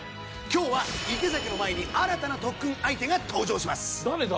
今日は池崎の前に新たな特訓相手が登場します。